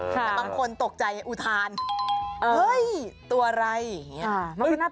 เขาใส่เสื้อวิน